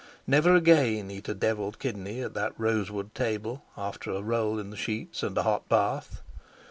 Never again eat a devilled kidney at that rose wood table, after a roll in the sheets and a hot bath.